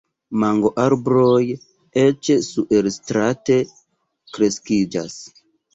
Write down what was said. Mangoarboj eĉ suerstrate kreskiĝas.